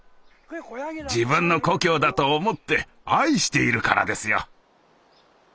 自分の故郷だと思って愛しているからですよ。